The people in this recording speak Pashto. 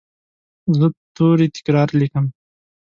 زه توري تکرار لیکم.